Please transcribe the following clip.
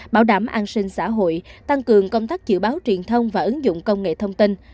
bảo đảm an sinh xã hội tăng cường công tác dự báo truyền thông và ứng dụng công nghệ thông tin